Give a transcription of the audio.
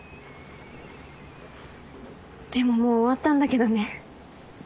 でももう終わったんだけどね。